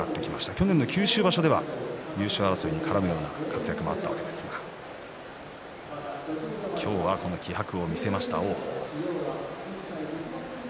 去年の九州場所では優勝争いに絡むような活躍もあったわけですが今日はこの気迫を見せました